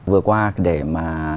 vừa qua để mà